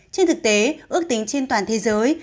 trên thực tế ước tính trên toàn thế giới